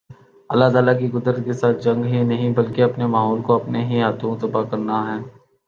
اللہ تعالی کی قدرت کے ساتھ جنگ ہی نہیں بلکہ اپنے ماحول کو اپنے ہی ہاتھوں تباہ کرنا ہے